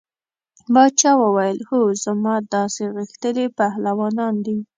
باچا وویل هو زما داسې غښتلي پهلوانان دي.